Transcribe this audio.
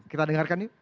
kita dengarkan yuk